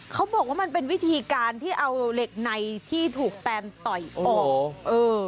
เขาบอกว่ามันเป็นวิธีการที่เอาเหล็กในที่ถูกแตนต่อยออกเออ